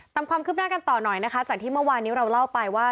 ตามความคืบหน้ากันต่อหน่อยนะคะจากที่เมื่อวานนี้เราเล่าไปว่า